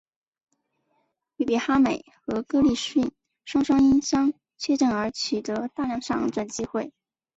于比哈美和哥利逊双双因伤缺阵而取得大量上阵机会。